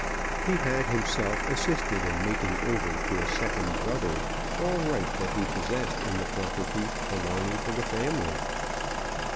He had himself assisted in making over to a second brother all right that he possessed in the property belonging to the family.